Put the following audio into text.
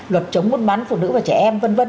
luật chống môn bán phụ nữ và trẻ em